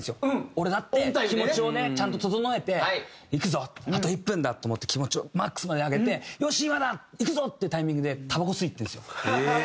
俺だって気持ちをねちゃんと整えて「行くぞあと１分だ！」と思って気持ちをマックスまで上げて「よし今だ！行くぞ！」っていうタイミングでタバコ吸いに行ってるんですよ。